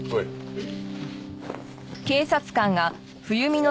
はい。